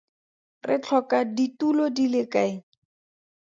Re tlhoka ditulo di le kae?